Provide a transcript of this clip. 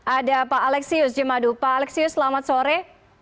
ada pak alexius jemadu pak alexius selamat sore